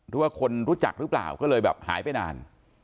หรือว่าคนรู้จักหรือเปล่าก็เลยแบบหายไปนาน